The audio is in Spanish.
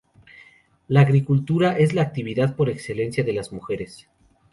La agricultura es la actividad por excelencia de las mujeres.